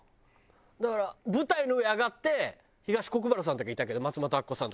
だから舞台の上上がって東国原さんとかいたけど松本明子さんとか。